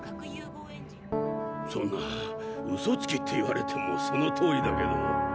そんな「ウソつき」って言われてもそのとおりだけど。